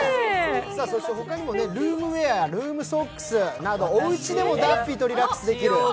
他にも、ルームウエアやルームソックスなどおうちでもダッフィーとリラックスできる。